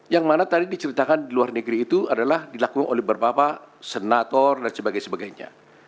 yang mana tadi diceritakan di luar negeri itu adalah dilakukan oleh bapak senator dan sebagainya